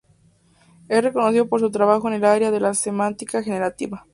Es reconocido por su trabajo en el área de la semántica generativa.